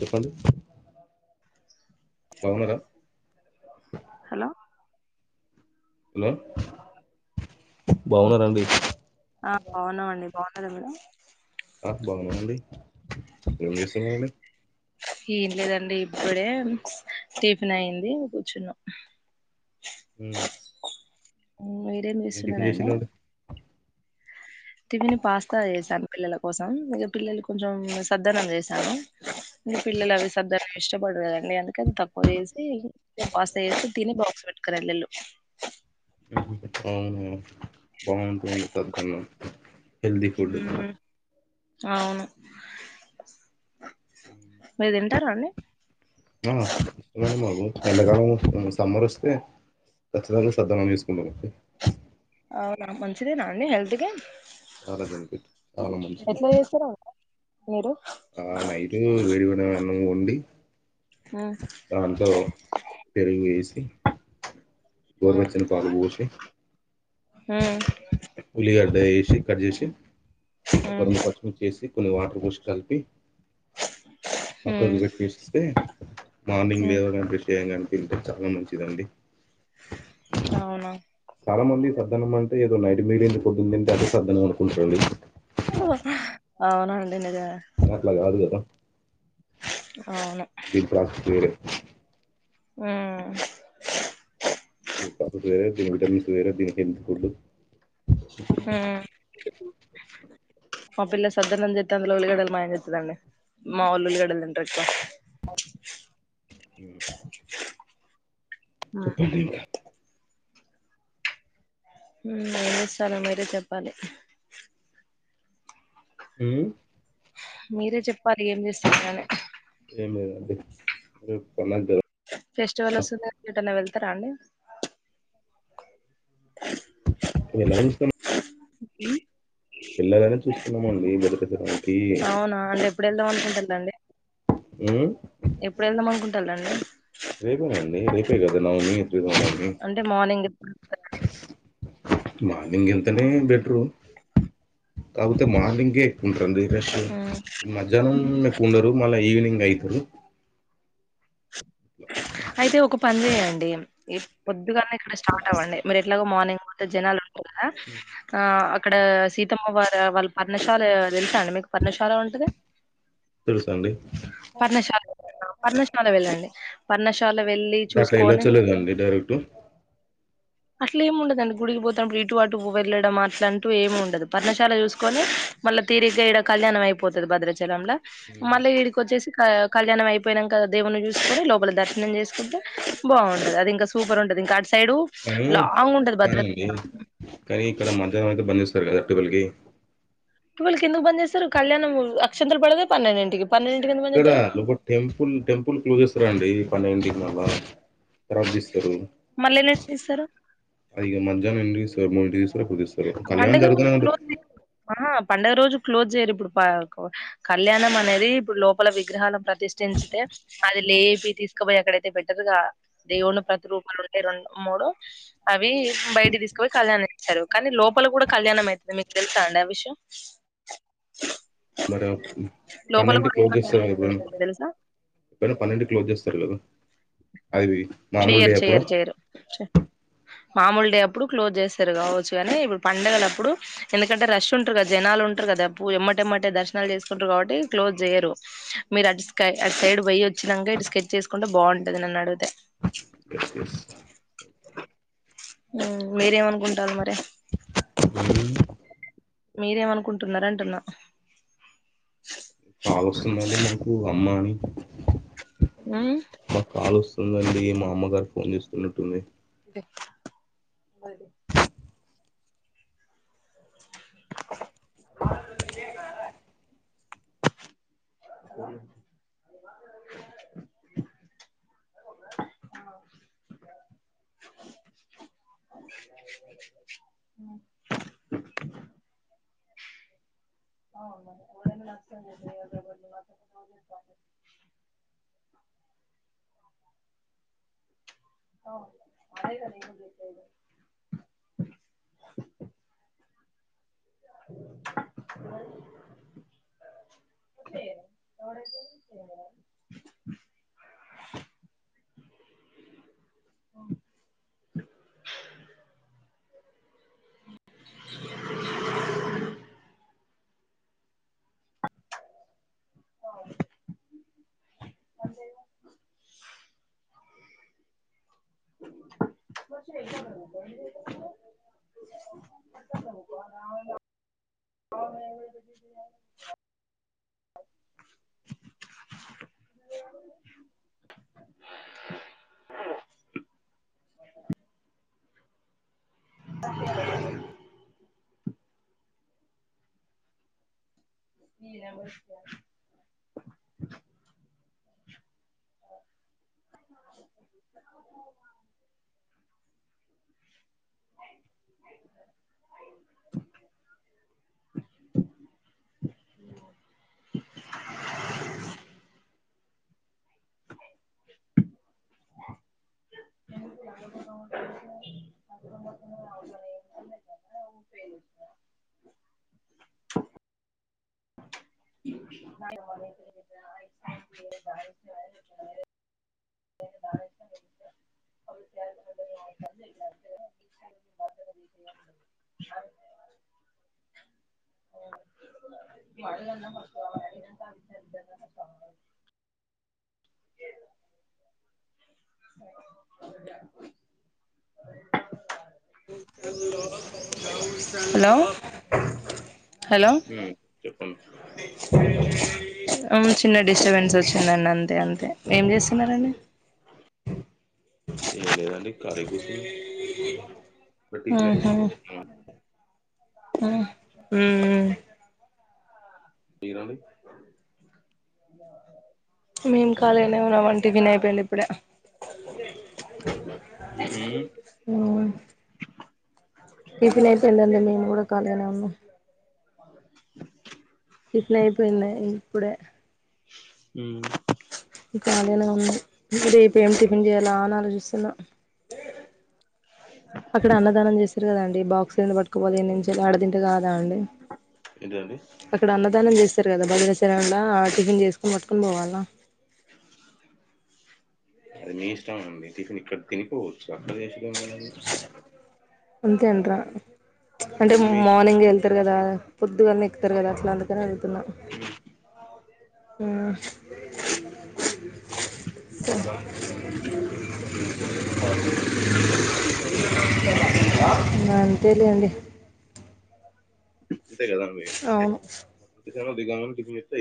చెప్పండి బాగున్నారా? Hello hello బాగున్నారాండి? ఆ బాగున్నామండి, బాగున్నారా మీరు? ఆ బాగున్నాం అండి, ఏం చేస్తున్నార్ అండి? ఏం లేదండి ఇప్పుడే టిఫిన్ అయింది కూర్చునా. ఉమ్ మీరేం ఏం టిఫిన్ చేసున్నారాండి? చేసిల్లండి టిఫన్ పాస్తా చేసాం పిల్లల కోసం, ఇగ పిల్లలు కొంచెం సద్దన్నం చేశాను. ఇ పిల్లలు అవి సద్దన్నం ఇష్టపడరు కదండి, అందుకనే తక్కువ చేసి ఇగ పాస్తా చేసి తిని బా పట్టుకొని వెళిళ్ళు అవును బాగుంటుంది తద్దన్నం హెల్దీ ఫుడ్ అవును మీర్ తింటారా అండి? ఆ ఇష్టమండి మాకు ఎండకాలం సమ్మర్ వస్ ఓ కచ్చితంగా సద్దన్నం తీసుకునేది అవునా మంచిదేనా అండి హెల్త్ కి? చాలా బెనిఫిట్, చాలా మంచిది. ఎట్లా చేస్తారో మీరు ఆ నైటు వేడివేడిగా అన్నం వండి. ఉమ్ దాంట్లో పెరుగు ఏసీ ఉమ్ గోర్వచ్చని పాలు పోసి ఉమ్ ఉల్లిగాడ్డ ఏసి కట్ చేసి ఒక ఉమ్ రెండు పచ్చిమి చేసి కొన్ని వాటర్ పోసి కలిపి పక్కన ఉమ్ పెట్టేస్తే మార్నింగ్ ఉమ్ లేవగాన్ బ్రష్ చేయగానే తింటే చాలా మంచిదండి అవునా చాలా మంది సద్దనం అంటే ఏదో నైట్ మీగిలింది పొద్దున తింటే అదే సద్దనం అనుకుంటురండి అవునండి నిజమే అట్లా కాదు కదా అవును దీని ప్రసెస్ వేరే ఉమ్ ఉమ్ దీని ప్రసెస్ వేరే దీని విటమిన్స్ వేరే దీని హెల్త్ ఫుడ్ హ మా పిల్ల సద్దనం చెతె్ అందులో ఉల్లిగడలు మాయం చెత్తది ఆమె మా వాళ్ళు ఉల్లగడ్డలు తింటారేక్కువ అ చెప్పండి ఇంకా ఉమ్ ఎం చేస్తాల్లో మీరే చెప్పాలి హు మ్ మీరే చెప్పాలి ఏం చేస్తున్నరో ర్ పెళ్ళాం ఫెస్టివల్ వస్తుంది ఏటైనా వెళ్తారా అండి వెళ్లాలని చూస్తాన్న ఓకే వెళ్లాలానే చూస్తున్నామండి మొదటి [unintelligible] కి ఎందండి ఉమ్ రేపేనా అండి రేపే కదా నావమీ అంటే మార్నింగ్ మార్లింగ్ వెళ్తేనే బీట్రూ కాకపోతే మార్నింగే ఉంటుంది ఫ్రెష్ గా ఉమ్ మధ్యాహ్నం మీకు ఉండరు మళ్ళా ఈవినింగ్ అయితరు అయితే ఒకప్ పర్లేదండి ఈ పొద్దుగాల్లె ఇక్కడ స్టార్ట్ అవ్వండి మరు ఎట్లాగో మార్నింగ్ పోతే జనాలు ఆ ఆ అక్కడ సీతమ్మ వారు వాళ్ళ పర్ణశాల తెలుసాండి మీకు పర్ణశాల ఆన్ అదే తెలుసు అండి పర్ణశాల వెళ్ళండి పర్ణశాల వెళ్ళి అట్ల చూసుకొని వేల్లోచ్చోలేదో అండి డైరెక్ట్ అట్ల ఏమి ఉండదండి గుడికి పోతున్నప్పుడు ఇటు అటు వెళ్ళడం అట్ల అంటూ ఏమి ఉండదు పర్ణశాల చూసుకొని మళ్ళా తీరిగ్గా ఈడ కళ్యాణం అయిపోతది భద్రాచలంల మళ్ళీ ఈడికోచ్చేసి ఆ కళ్యాణం అయిపోయినాంక దేవుని చూసుకొని లోపల దర్శనం చేసుకుంటే బాగుంటది అది ఇంకా స్ సూపర్ ఉంటది ఇంకా అటు సైడ్ కానీ కనీండి కనీ ఇక్కడ మధ్యాహ్నం అయితే బాలే స్ త్వరగాత వాళ్ళకి టువెల్కి ఎందుకు బంద్ చేస్తారు కళ్యాణం అక్షంతలు పడేదే పన్నెండింటికి పన్నెండింటికి ఎందుకు బంద్ ఇక్కడ చేత్తరు నువ్ టెంపుల్ టెంపుల్ క్లోజ్ చేస్తారాండి ఈ పన్నెండింటి కల్ల ప్రబ్జిస్తారు మళ్ళీ ఎన్నింటికి తీస్తారు అఇగా మధ్యాహ్న ఎం దస్తారు మూడు దవస ఏం చేస్తుర్రూ కళ్యాణం పండుగ రోజు జరుగుతున్నా అండి క్లోజ్ ఆహా పండుగ రోజు క్లోజ్ చేయ్యరు ఇప్పుడు కళ్యాణం అనేది ఇప్పుడు లోపల విగ్రహాలను ప్రతిష్ఠంచితే అది లేపి తీసుకపోయి అక్కడైతే బెటర్గా దేవుని ప్రతిరూపాలు ఉంటాయి రెండో మూడో అవి బయట తీసుకపోయి కళ్యాణ ఇచ్చారు లోపల కూడా కళ్యాణం అయితది మీకు తెలుసా అండి ఆ విషయం మరి లోపల పన్నెండు కూడా క్లోజ్ చేస్తార తెలుసా ఎప్పుడైనా పన్నెండు క్లోజ్ చేస్తారు కదా అది మామూలు డే చెయ్యరు అప్పుడా చెయ్యరు చెయ్యరు చె మామూలు డే అప్పుడు క్లోజ్ చేస్తారు కావచ్చు కానీ ఇప్పుడు పండడుగల అప్పుడు ఎందుకంటే రష్ ఉంటారు కదా జనాలు ఉంటారు కదా పూ ఎమ్మటెమ్మటే దర్శనాలు చేసుకుంటారు కాబట్టి క్లోజ్ చేయ్యరు మీరు అటు స్కై అటు సైడ్ పోయి వచ్చినాక ఇటు స్కెడ్ వేసుకుంటే బాగుంటది నన్ను అడిగితే ఎస్ ఎస్ మీరు ఏం అనుకుంటారు మరి మీరేమనుకుంటున్నారంటున్నా కాల్ వస్తుందండి మకు అమ్మ అని మ్మ్ మాకు కాల్ వస్తుందండి మా అమ్మగారు ఫోన్ చేస్తున్నట్టుంది అది [unintelligible] అ అ వు మాత్ర అ అఓ మ బ ఒకే [unintelligible] ఎప్పుడైపోతే అఓ అవు అదే [unintelligible] [unintelligible] [unintelligible] హా మ అ అ నమస్తే అ అ హలో హుమ్మ్ చెప్పం హు చిన్న డిస్టబెన్స్ వచ్చిందండి అంతే అంతే ఏం చేస్తున్నారండి ఎం ఏ లేదండి ఖాళీగా కూసున్నం టిఫిన్ ఆఇంది ఆ ఆ మ్ మ్మ్ మీరండి మేం కఖాళీగానే ఉన్నాం అండ్ టిఫిన్ అయిపోయింది ఇప్పుడే మ్మ్ హుమ్మ్ చెప్పండి టిఫిన్ అయిపొఇందండి మేము కూడా ఖాళీగానే ఉన్నా టిఫన్ అయిపోయిండే ఇప్పుడే మ్మ్ ఖాళీగానే ఉంన్నం రేపెం టిఫిన్ చేయాలా అని ఆలోచిస్తున్నా అక్కడ అన్నదానం చేస్తారు కదండి, బాక్స్డ్ ఎందుకు పట్టుకుపోవాలి ఈడి నుంచి ఆడ తింటే కాదా ాండి ఏంటండి అక్కడ అన్నదానం చేస్తారు కదా బల తెల్లవారింటికి టిఫిన్ చేసుకొని పట్టుకొని పోవాలా అది మీ ఇష్టం అండి టిఫిన్ ఇక్కడ తినిపోవచ్చు అక్కడ చేసు ఏమున్నది అంతే అంటారా అంటే అది మీ ఇష్టం మార్నింగ్ వెళ్తారు కదా పొద్దుగాల్నే ఎక్కుతారు కదా అట్లా అందుకని వెళ్తున్నా మ్మ్ [inaudible] ఆ అంతేలెండి అంతే కదండీ అవును టిఫిన్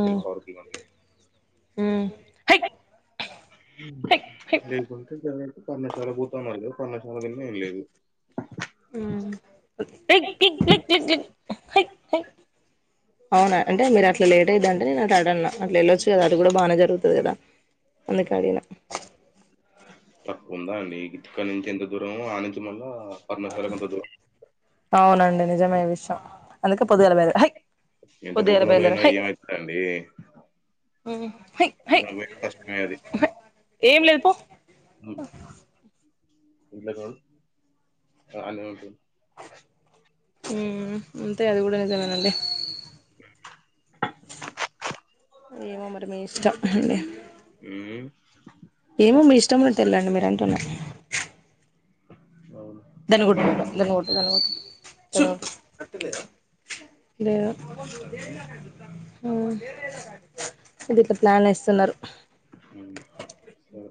ఉమ్ [unintelligible] అయిపో ఉమ్ హై [unintelligible] హై హై లేకుంటే జరంటే పర్ణశాల పోతామ పర్ణశాల [inaudible] లేదు ఉమ్ అవునా అంటే మీరు అట్లా లేదు అంటే ఇదంటే నేను అట్ అడ అట్లా వెళ్ళొచ్చిన వాళ్ళకి కూడా బానే జరుగుతాదట అందుకని తక్కువ ఉందా అండి ఇక్కడ నుంచి ఎంత దూరమో ఆ నుంచి మళ్ళ పర్ణశాలకు అంత దూరం అవునండి నిజమే విషయం అందుకే పొద్దుగాల పోయేది ఎంత పొద్దున పోయినా ఏమవుతుందండి మ్మ్ మాకైతే కష్టమే అది ఏం లేదు పో [unintelligible] మ్మ్ అంతే అది కూడా నిజమేనండి ఏమో మరి మీ ఇష్టం అండి మ్మ్ ఏమో మీ ఇష్టం [unintelligible] అంటున్నా [inaudible] [inaudible] అవును [unintelligible] ప్లాన్ వేస్తున్నారు ఉమ్, సరే.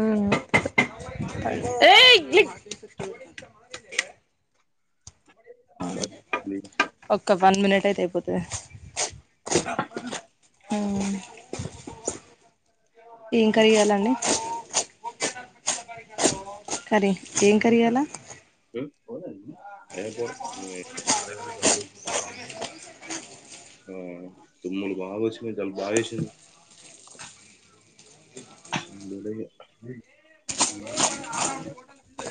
మ్మ్ ఏం మ్మ్ ఏయ్ చేయాలి? ఒక్క వన్ మినిట్ అయితే అయిపోతది ఏం కర్రి ఇయ్యాలండి కర్రీ ఏం కర్రీ ఇయ్యాల ఉమ్? ఏ పోరా. ఉమ్, తుమ్ముల్ బాగా వచ్చినివి జలుబు బాగా చేసింది మ్మ్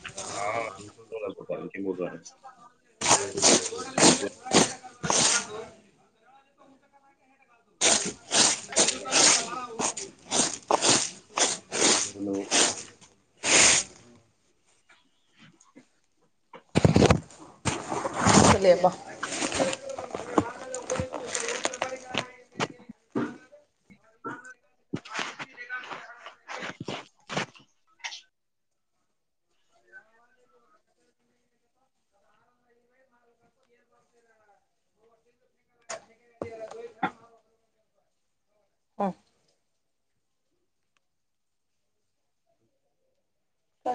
[inaudible] హలో [inaudible] [unintelligible]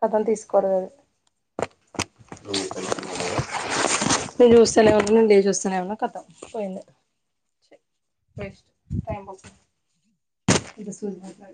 కథలు తీసుకోలేదు [inaudible] చూస్తానే ఉన్నా కతాం పోయింది వెస్ట్ టైమ్ [inaudible]